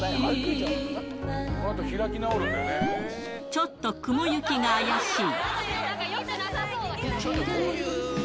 ちょっと雲行きが怪しい。